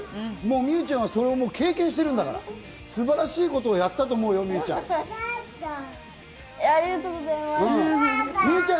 美羽ちゃんはそれを経験してるから、素晴らしいことをやったと思うよ、美羽ちゃん。